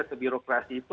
sebuah birokrasi itu